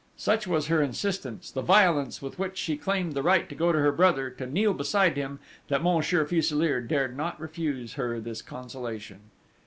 Such was her insistence, the violence with which she claimed the right to go to her brother, to kneel beside him, that Monsieur Fuselier dared not refuse her this consolation.